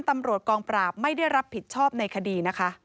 ตำรวจกองปราบไม่ได้รับผิดชอบในคดีนะคะ